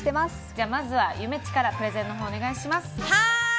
まずは、ゆめっちからプレゼンお願いします。